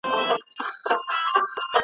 غرڅه ډوب وو د ښکرونو په ستایلو `